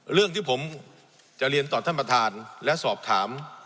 เรื่องที่ผมจะเรียนต่อท่านประธานและสอบถาม